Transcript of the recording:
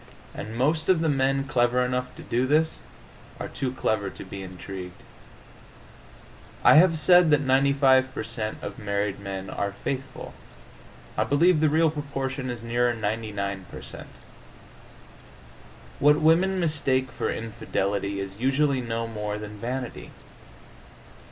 And most of the men clever enough to do this are too clever to be intrigued. I have said that 95 per cent. of married men are faithful. I believe the real proportion is nearer 99 per cent. What women mistake for infidelity is usually no more than vanity.